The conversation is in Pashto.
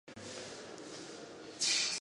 حقوقي سخاوت باید په سیستم کې وي.